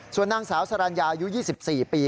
ส่วนนางสาวสรรญาอายุ๒๔ปี